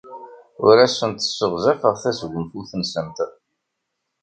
Ur asent-sseɣzafeɣ tasgunfut-nsent.